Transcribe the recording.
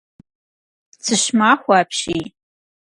Цыщ махуэ апщий.